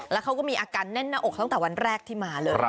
แล้วเขาก็มีอาการแน่นหน้าอกตั้งแต่วันแรกที่มาเลย